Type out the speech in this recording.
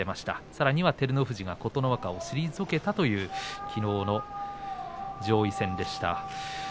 さらに照ノ富士が琴ノ若を退けたというきのうの上位戦でした。